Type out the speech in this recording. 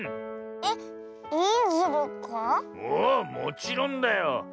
おおもちろんだよ。